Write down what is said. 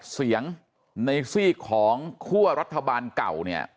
เสียงในซีกของคั่วรัฐบาลเก่าเนี่ย